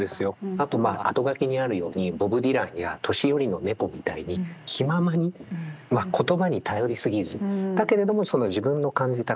あとまあ後書きにあるようにボブ・ディランや年寄りの猫みたいに気ままに言葉に頼り過ぎずだけれどもその自分の感じた